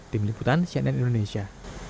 tim liputan cnn indonesia